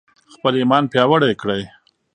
خپل ایمان پیاوړی کړئ.